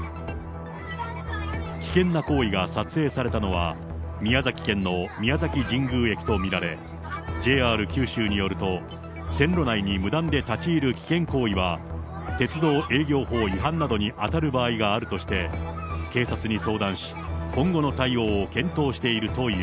危険な行為が撮影されたのは、宮崎県の宮崎神宮駅と見られ、ＪＲ九州によると、線路内に無断で立ち入る危険行為は、鉄道営業法違反などに当たる場合があるとして、警察に相談し、今後の対応を検討しているという。